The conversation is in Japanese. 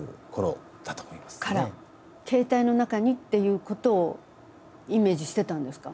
携帯の中にっていうことをイメージしてたんですか？